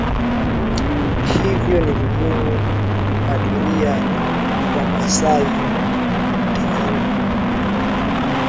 hivyo ni vigumu kukadiria ni wamasai wangapi wanaishi Tanzania